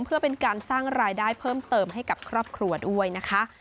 เพื่อเป็นการสร้างรายได้เพิ่มเติมให้กับครอบครัวด้วยนะคะ